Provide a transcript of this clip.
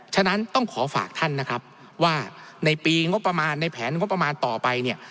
ฉะนั้นต้องขอฝากท่านนะครับว่าในปีงบประมาณในแผนงบประมาณต่อไปเนี่ย